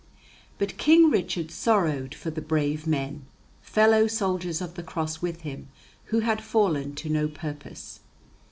But King Richard sorrowed for the brave men, fellow soldiers of the Cross with him, who had fallen to no purpose.